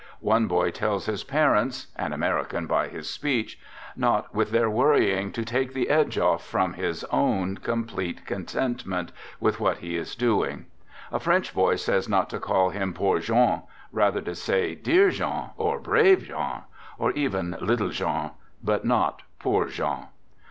One boy tells his parents (an American, by his speech) not, with their worrying, to "take the edge off" from his own complete contentment with what he is doing. A French boy says not to call him " poor Jean "; rather to say " dear Jean " or " brave Jean " or even " little Jean," but not " poor Jean."